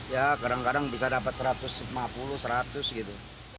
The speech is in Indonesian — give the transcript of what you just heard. ya kadang kadang bisa dapat satu ratus lima puluh seratus gitu